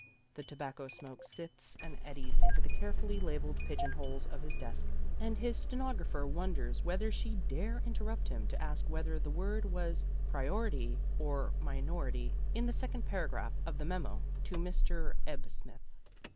The tobacco smoke sifts and eddies into the carefully labeled pigeonholes of his desk, and his stenographer wonders whether she dare interrupt him to ask whether that word was "priority" or "minority" in the second paragraph of the memo to Mr. Ebbsmith.